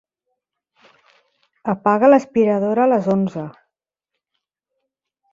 Apaga l'aspiradora a les onze.